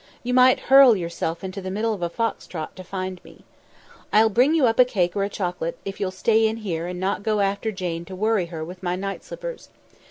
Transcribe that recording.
You might hurl yourself into the middle of a fox trot to find me. I'll bring you up a cake or a chocolate, if you'll stay in here and not go after Jane to worry her with my night slippers.